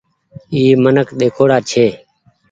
اي منک ۮيکوڙآ ڇي۔